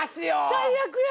最悪や。